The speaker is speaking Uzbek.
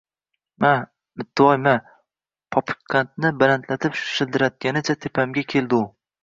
– Ma, Mittivoy, ma! – popukqandni balandlatib shildiratganicha tepamga keldi u